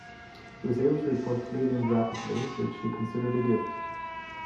He was able to report clearly and rapidly, which he considered a gift.